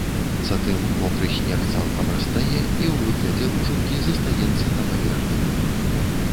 Затым мокры снег цалкам растае і ў выглядзе лужынкі застаецца на паверхні лёду.